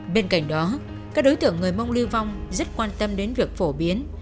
bên cạnh đó các đối tượng người mông lưu vong rất quan tâm đến việc phổ biến